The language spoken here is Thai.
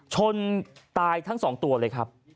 ชนตายทั้ง๒ตัวเลยครับ